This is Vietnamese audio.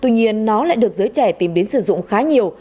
nhưng nó lại được giới trẻ tìm đến sử dụng khá nhiều